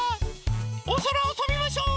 おそらをとびましょう！